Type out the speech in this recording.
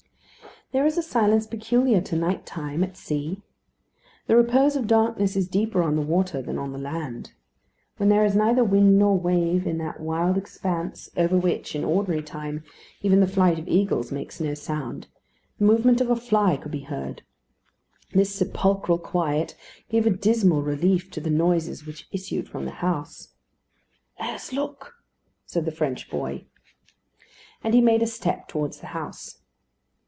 There is a silence peculiar to night time at sea. The repose of darkness is deeper on the water than on the land. When there is neither wind nor wave in that wild expanse, over which, in ordinary time, even the flight of eagles makes no sound, the movement of a fly could be heard. This sepulchral quiet gave a dismal relief to the noises which issued from the house. "Let us look," said the French boy. And he made a step towards the house.